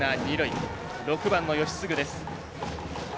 ６番の吉次です。